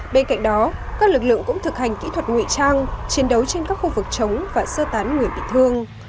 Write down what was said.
bên cạnh đó các lực lượng cũng thực hành kỹ thuật ngụy trang chiến đấu trên các khu vực chống và sơ tán người bị thương